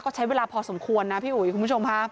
ก็ใช้เวลาพอสมควรนะพี่อุ๋ยคุณผู้ชมค่ะ